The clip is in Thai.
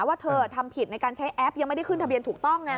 ว่าเธอทำผิดในการใช้แอปยังไม่ได้ขึ้นทะเบียนถูกต้องไง